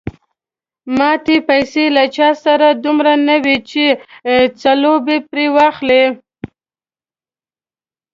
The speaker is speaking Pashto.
ماتې پیسې له چا سره دومره نه وې چې ځلوبۍ پرې واخلي.